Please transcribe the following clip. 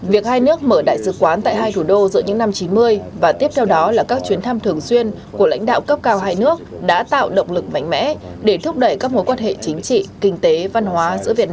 việc hai nước mở đại sứ quán tại hai thủ đô giữa những năm chín mươi và tiếp theo đó là các chuyến thăm thường xuyên của lãnh đạo cấp cao hai nước đã tạo động lực mạnh mẽ để thúc đẩy các mối quan hệ chính trị kinh tế văn hóa